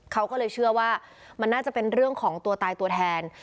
เขาก็เลยเชื่อว่ามันน่าจะเป็นเรื่องของตัวตายตัวแทน